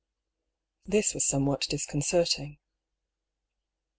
This was somewhat disconcerting.